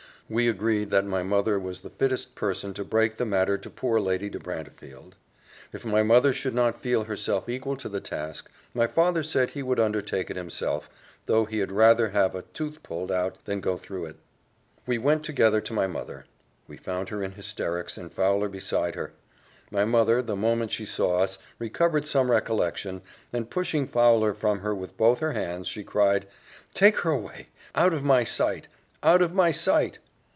We agreed that my mother was the fittest person to break the matter to poor Lady de Brantefield. If my mother should not feel herself equal to the task, my father said he would undertake it himself, though he had rather have a tooth pulled out than go through it. We went together to my mother. We found her in hysterics, and Fowler beside her; my mother, the moment she saw us, recovered some recollection, and pushing Fowler from her with both her hands, she cried, "Take her away out of my sight out of my sight."